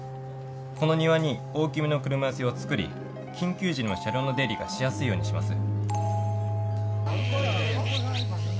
この庭に大きめの車寄せを造り緊急時の車両の出入りがしやすいようにします。